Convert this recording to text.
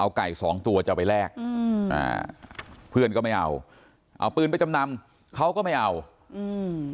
เอาไก่สองตัวจะเอาไปแลกอืมอ่าเพื่อนก็ไม่เอาเอาปืนไปจำนำเขาก็ไม่เอาอืม